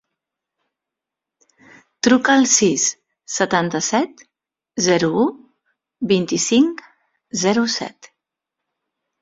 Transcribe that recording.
Truca al sis, setanta-set, zero, u, vint-i-cinc, zero, set.